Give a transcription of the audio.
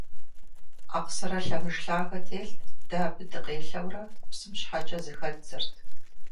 Акъсырэ лъэмыж лъагэ телът, дэ абы дыкъелъэурэ псым щхьэкӏэ зыхэддзэрт.